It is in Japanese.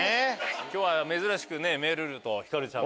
今日は珍しくめるるとひかるちゃん。